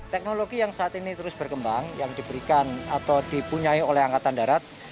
teknologi yang saat ini terus berkembang yang diberikan atau dipunyai oleh angkatan darat